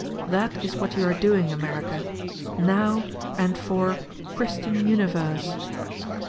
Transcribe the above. That is what you are doing, America ; now, and for — christian universe.